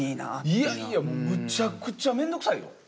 いやいやむちゃくちゃ面倒くさいよ！